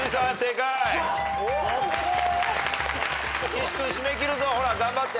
岸君締め切るぞほら頑張って。